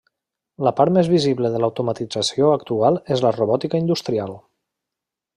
La part més visible de l'automatització actual és la robòtica industrial.